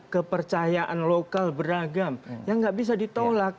kepercayaan lokal beragam yang tidak bisa ditolak